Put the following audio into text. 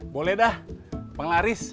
boleh dah penglaris